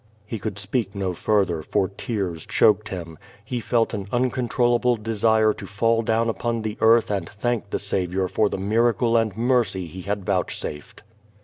He could speak no further, for tears choked him. He felt an uncontrollable desire to fall down upon the earth and thank the Saviour for the miracle and mercy He had vouch safed.